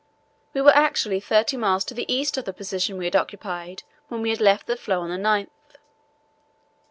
We were actually thirty miles to the east of the position we had occupied when we left the floe on the 9th.